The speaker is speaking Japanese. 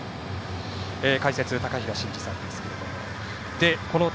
解説、高平慎士さんです。